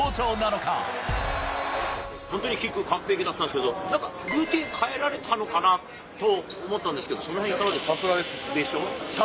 本当にキック、完璧だったんですけど、なんかルーティン変えられたのかなと思ったんですけど、そのへん、さすがですね。でしょ？